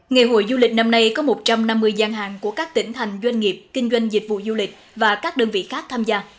ngày hội du lịch năm nay có một trăm năm mươi gian hàng của các tỉnh thành doanh nghiệp kinh doanh dịch vụ du lịch và các đơn vị khác tham gia